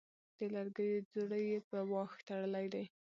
د لرګيو ځوړی يې په واښ تړلی دی